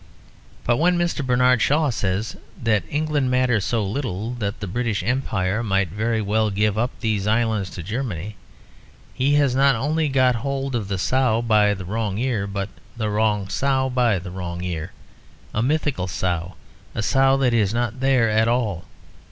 But when Mr. Bernard Shaw says that England matters so little that the British Empire might very well give up these islands to Germany, he has not only got hold of the sow by the wrong ear but the wrong sow by the wrong ear; a mythical sow, a sow that is not there at all.